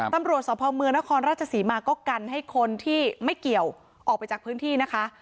ตำรวจสพเมืองนครราชศรีมาก็กันให้คนที่ไม่เกี่ยวออกไปจากพื้นที่นะคะ